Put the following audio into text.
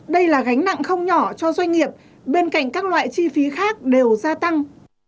đây là gánh nặng không nhỏ cho doanh nghiệp bên cạnh các loại chi phí khác đều gia tăng